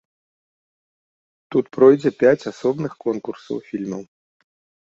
Тут пройдзе пяць асобных конкурсаў фільмаў.